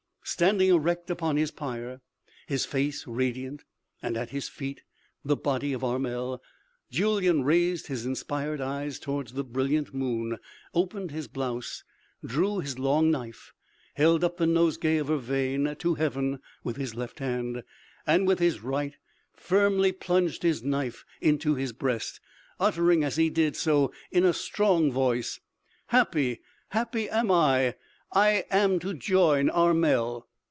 Standing erect upon his pyre, his face radiant, and at his feet the body of Armel, Julyan raised his inspired eyes towards the brilliant moon, opened his blouse, drew his long knife, held up the nosegay of vervain to heaven with his left hand, and with his right firmly plunged his knife into his breast, uttering as he did so in a strong voice: "Happy happy am I. I am to join Armel!"